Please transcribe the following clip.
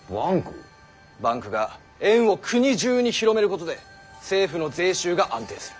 バンクが円を国中に広めることで政府の税収が安定する。